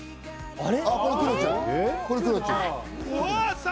あれ。